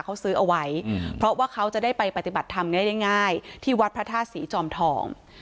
เขาซื้อเอาไว้เพราะว่าเขาจะได้ไปปฏิบัติธรรมง่ายที่วัดพระธาตุศรีจอมทอง